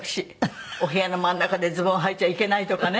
「お部屋の真ん中でズボンはいちゃいけない」とかね